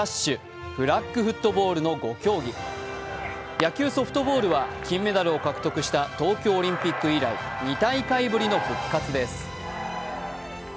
野球・ソフトボールは金メダルを獲得した東京オリンピック以来２大会ぶりの復活です。